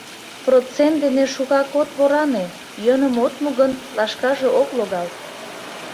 — Процент дене шукак от воране, йӧным от му гын, лашкаже ок логал.